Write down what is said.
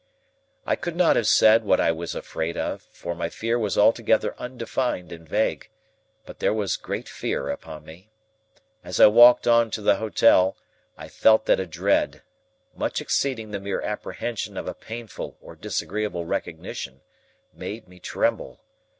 I could not have said what I was afraid of, for my fear was altogether undefined and vague, but there was great fear upon me. As I walked on to the hotel, I felt that a dread, much exceeding the mere apprehension of a painful or disagreeable recognition, made me tremble.